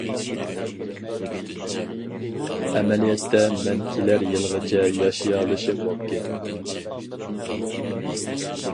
ئەمەلىيەتتە مەن كېلەر يىلىغىچە ياشىيالىشىم مۇمكىن.